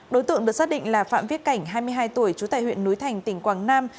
đối tượng được xác định là phạm viết cảnh hai mươi hai tuổi trú tại huyện núi thành tỉnh quảng nam